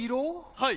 はい。